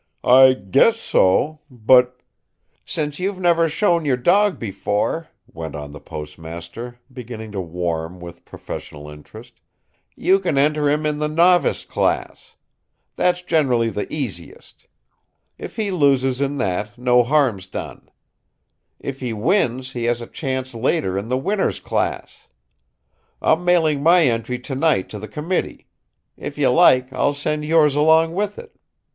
"I guess so. But " "Since you've never shown your dog before," went on the postmaster, beginning to warm with professional interest, "you can enter him in the 'Novice Class.' That's generally the easiest. If he loses in that, no harm's done. If he wins he has a chance later in the 'Winners' Class.' I'm mailing my entry to night to the committee. If you like, I'll send yours along with it.